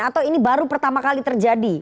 atau ini baru pertama kali terjadi